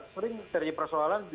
sering caranya persoalan